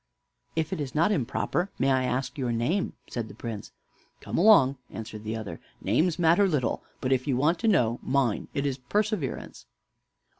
"If it is not improper, may I ask your name?" said the Prince. "Come along," answered the other, "Names matter little; but if you want to know mine, it is Perseverance."